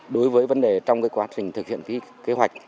đối với vấn đề trong quá trình thực hiện kế hoạch